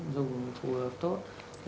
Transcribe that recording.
dùng phù hợp tốt